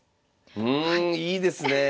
うんいいですねえ！